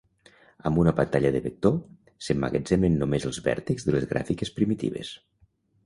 Amb una pantalla de vector, s'emmagatzemen només els vèrtexs de les gràfiques primitives.